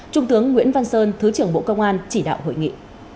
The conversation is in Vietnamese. trung tướng nguyễn văn sơn thứ trưởng bộ công an chỉ đạo hội nghị